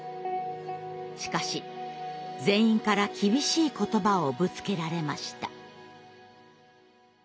しかし全員から厳しい言葉をぶつけられました。